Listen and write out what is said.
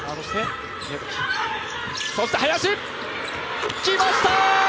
そして林、きましたー！